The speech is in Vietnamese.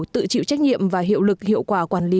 tự chịu trách nhiệm và hiệu lực hiệu quả quản lý